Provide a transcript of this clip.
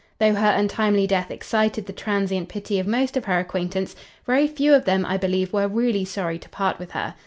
Though her untimely death excited the transient pity of most of her acquaintance, very few of them, I believe, were really sorry to part with her.